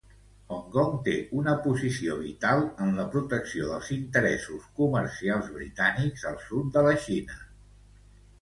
Hong Kong té una posició vital en la protecció dels interessos comercials britànics al sud de la Xina.